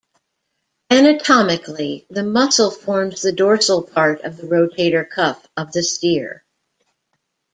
Anatomically, the muscle forms the dorsal part of the rotator cuff of the steer.